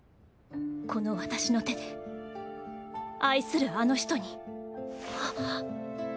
この私の手で愛するあの人に。